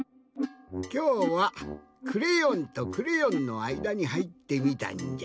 きょうはクレヨンとクレヨンのあいだにはいってみたんじゃ。